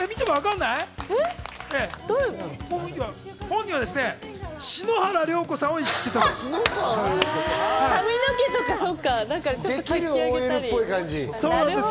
本人は篠原涼子さんを意識していたんです。